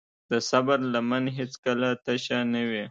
د صبر لمن هیڅکله تشه نه وي.